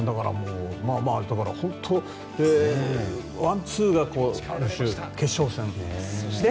だから、本当ワンツーが決勝戦で。